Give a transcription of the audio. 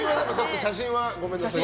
写真はごめんなさい。